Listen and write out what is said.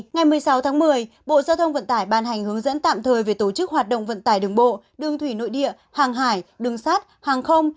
ngày một mươi sáu tháng một mươi bộ giao thông vận tải ban hành hướng dẫn tạm thời về tổ chức hoạt động vận tải đường bộ đường thủy nội địa hàng hải đường sát hàng không